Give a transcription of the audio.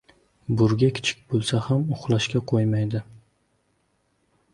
• Burga kichik bo‘lsa ham uxlashga qo‘ymaydi.